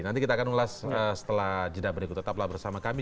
nanti kita akan ulas setelah jeda berikut tetaplah bersama kami